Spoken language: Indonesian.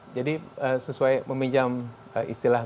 ya jadi sesuai meminjam istilahnya